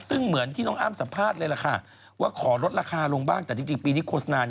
พี่อ้ามก็งงนะ